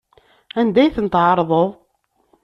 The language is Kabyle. Anda ay ten-tɛerḍeḍ?